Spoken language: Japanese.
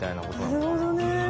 なるほどね。